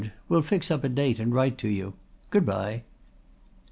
We'll fix up a date and write to you. Goodbye."